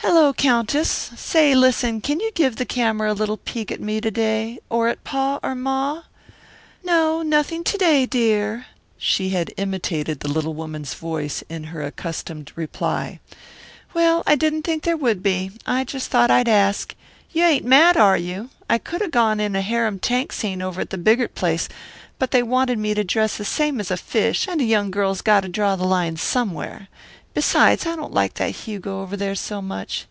"Hello, Countess! Say, listen, can you give the camera a little peek at me to day, or at pa or ma? 'No, nothing to day, dear.'" She had imitated the little woman's voice in her accustomed reply. "Well, I didn't think there would be. I just thought I'd ask. You ain't mad, are you? I could have gone on in a harem tank scene over at the Bigart place, but they wanted me to dress the same as a fish, and a young girl's got to draw the line somewhere. Besides, I don't like that Hugo over there so much.